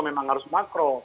memang harus makro